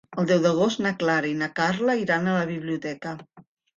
El deu d'agost na Clara i na Carla iran a la biblioteca.